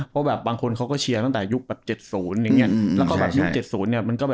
เพราะบางคนเขาก็เชียร์ตั้งแต่ยุค๗๐